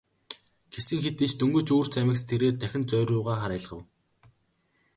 Гэсэн хэдий ч дөнгөж үүр цаймагц тэрээр дахин зоорьруу харайлгав.